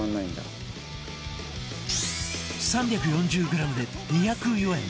３４０グラムで２０４円